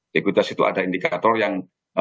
diakuiditas itu ada indikator yang